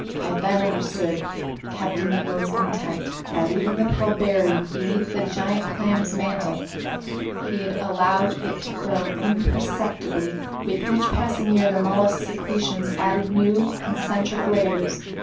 I then understood Captain Nemo's intent. By leaving the pearl buried beneath the giant clam's mantle, he allowed it to grow imperceptibly. With each passing year the mollusk's secretions added new concentric layers.